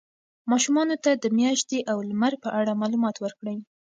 ماشومانو ته د میاشتې او لمر په اړه معلومات ورکړئ.